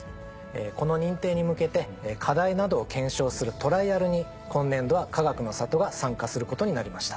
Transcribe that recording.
この認定に向けて課題などを検証するトライアルに今年度は「かがくの里」が参加することになりました。